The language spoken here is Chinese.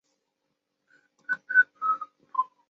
子公司化之后其工作室转移至小平市小川町。